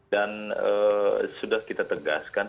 dan sudah kita tegaskan